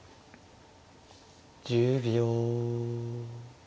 １０秒。